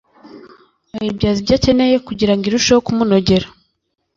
ayibyaza ibyo akeneye kugirango irusheho kumunogera